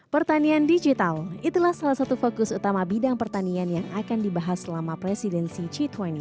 pertanian digital itulah salah satu fokus utama bidang pertanian yang akan dibahas selama presidensi g dua puluh